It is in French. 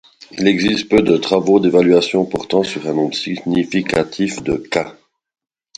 Il existe peu de travaux d’évaluation portant sur un nombre significatifs de cas.